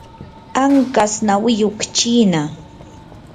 anqas nawiyuq chiina.